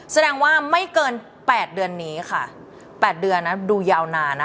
แสดงว่าไม่เกิน๘เดือนนี้ค่ะ๘เดือนนะดูยาวนานนะ